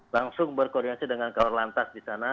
langsung berkoordinasi dengan kawalan tas di sana